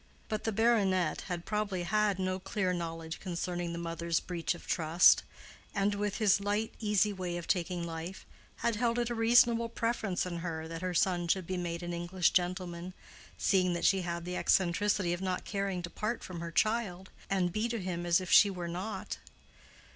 But the baronet had probably had no clear knowledge concerning the mother's breach of trust, and with his light, easy way of taking life, had held it a reasonable preference in her that her son should be made an English gentleman, seeing that she had the eccentricity of not caring to part from her child, and be to him as if she were not.